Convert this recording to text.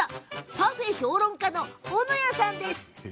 パフェ評論家の斧屋さんです。